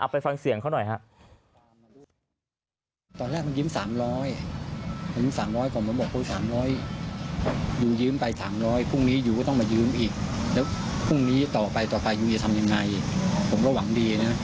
ไปฟังเสียงเขาหน่อยครับ